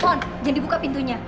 son jangan dibuka pintunya